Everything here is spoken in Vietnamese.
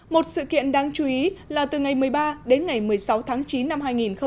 một sự kiện đáng chú ý là từ ngày một mươi ba đến ngày một mươi sáu tháng chín năm hai nghìn một mươi chín